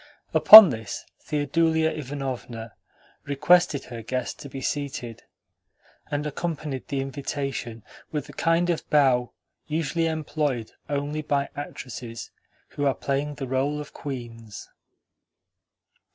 Upon this Theodulia Ivanovna requested her guest to be seated, and accompanied the invitation with the kind of bow usually employed only by actresses who are playing the role of queens.